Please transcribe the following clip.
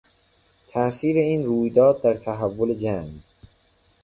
تاثیر این رویداد در تحول جنگ